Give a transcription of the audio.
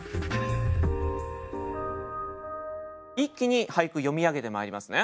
一気に俳句読み上げてまいりますね。